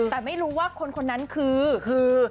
แต่ไม่รู้ว่าคนนั้นคือ